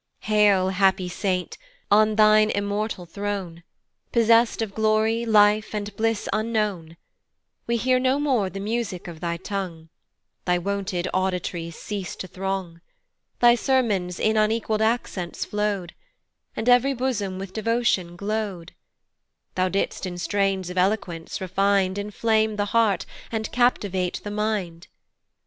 HAIL, happy saint, on thine immortal throne, Possest of glory, life, and bliss unknown; We hear no more the music of thy tongue, Thy wonted auditories cease to throng. Thy sermons in unequall'd accents flow'd, And ev'ry bosom with devotion glow'd; Thou didst in strains of eloquence refin'd Inflame the heart, and captivate the mind.